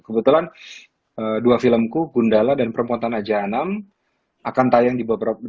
kebetulan dua filmku gundala dan perempuan tanah jahanam akan tayang di beberapa film